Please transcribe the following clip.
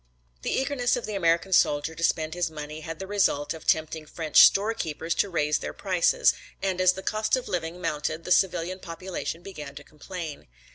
The eagerness of the American soldier to spend his money had the result of tempting French storekeepers to raise their prices and as the cost of living mounted the civilian population began to complain.